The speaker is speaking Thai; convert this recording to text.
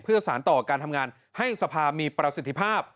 เพื่อสารต่อการทำงานให้สภามีประสิทธิภาพ